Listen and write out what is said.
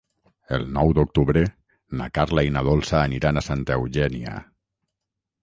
El nou d'octubre na Carla i na Dolça aniran a Santa Eugènia.